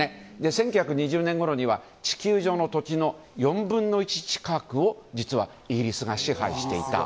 １９２０年ごろには地球上の土地の４分の１近くを実はイギリスが支配していた。